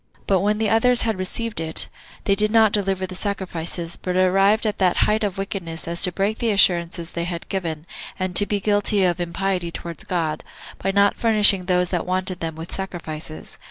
But when the others had received it, they did not deliver the sacrifices, but arrived at that height of wickedness as to break the assurances they had given, and to be guilty of impiety towards God, by not furnishing those that wanted them with sacrifices.